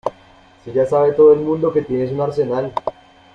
si ya sabe todo el mundo que tienes un arsenal.